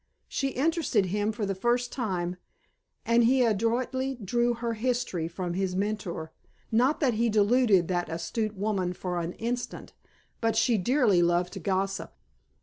She interested him for the first time and he adroitly drew her history from his mentor (not that he deluded that astute lady for an instant, but she dearly loved to gossip).